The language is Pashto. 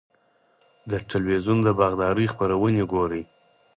د تلویزیون د باغدارۍ خپرونې ګورئ؟